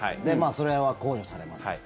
それは控除されます。